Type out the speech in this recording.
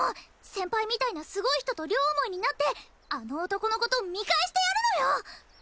先輩みたいなすごい人と両思いになってあの男のこと見返してやるのよ！